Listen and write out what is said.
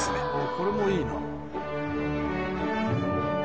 これもいいな。